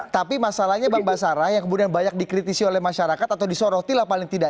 tapi masalahnya bang basara yang kemudian banyak dikritisi oleh masyarakat atau disoroti lah paling tidak